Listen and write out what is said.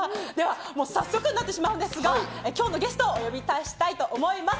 早速になってしまうんですが、今日のゲストをお呼びしたいと思います。